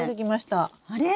あれ？